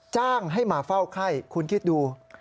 จ้างให้มาเฝ้าไข้คุณคิดดู